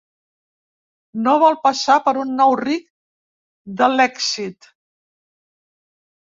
No vol passar per un nou ric de l'èxit.